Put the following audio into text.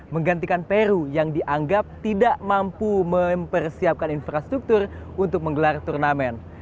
menggantikan peru yang dianggap tidak mampu mempersiapkan infrastruktur untuk menggelar turnamen